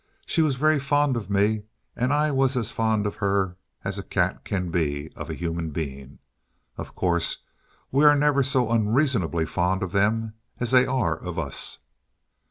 She was very fond of me, and I was as fond of her as a cat can be of a human being. Of course, we are never so unreasonably fond of them as they are of us."